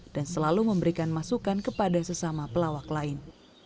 dan selalu memberikan masukan kepada sesama pelawak lain